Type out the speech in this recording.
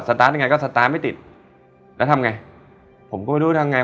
ตาร์ทยังไงก็สตาร์ทไม่ติดแล้วทำไงผมก็ไม่รู้ทำไง